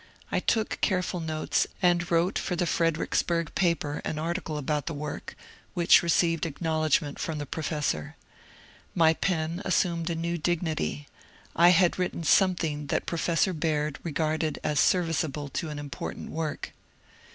I took careful notes, and wrote for the Fredericksburg paper an article about the work, which received acknowledgment from the professor. My pen assumed a new dignity : I had written something that Pro* f essor Baird regarded as serviceable to an important work.